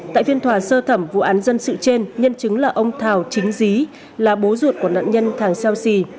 tại phiên thòa sơ thẩm vụ án dân sự trên nhân chứng là ông thảo chính dí là bố ruột của nạn nhân thảo seo sì